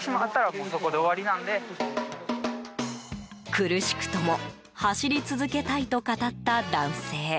苦しくとも走り続けたいと語った男性。